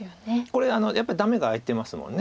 これやっぱりダメが空いてますもんね